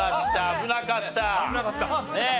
危なかったねえ。